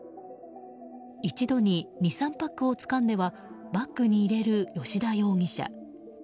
一度に２３パックをつかんではバッグに入れる吉田容疑者。